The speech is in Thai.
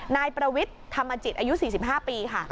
นายประวิทย์ธรรมจิตอายุ๔๕ปีค่ะ